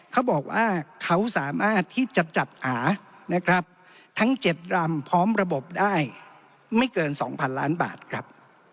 เขาบอกว่าเขาสามารถที่จะจัดหานะครับทั้ง๗ลำพร้อมระบบได้ไม่เกิน๒๐๐๐ล้านบาทครับ